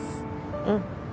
うん